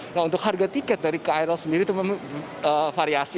nah untuk harga tiket dari krl sendiri itu memang variasi